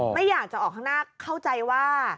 ไม่อยากจะออกข้างหน้าเข้าใจว่า